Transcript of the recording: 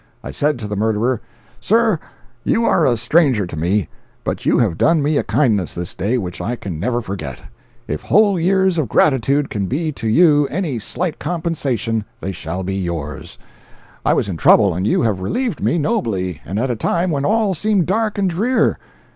I said to the murderer: "Sir, you are a stranger to me, but you have done me a kindness this day which I can never forget. If whole years of gratitude can be to you any slight compensation, they shall be yours. I was in trouble and you have relieved me nobly and at a time when all seemed dark and drear.